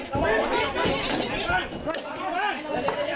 สวัสดีครับคุณผู้ชาย